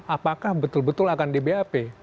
apakah betul betul akan di bap